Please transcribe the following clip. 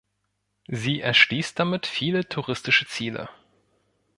Sie erschließt damit viele touristische Ziele.